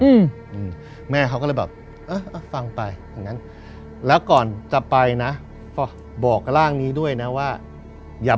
อืมแม่เขาก็เลยแบบเอออ่ะฟังไปอย่างงั้นแล้วก่อนจะไปนะฝากบอกร่างนี้ด้วยนะว่าอย่า